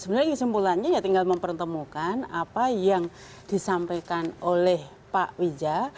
sebenarnya kesimpulannya ya tinggal mempertemukan apa yang disampaikan oleh pak wija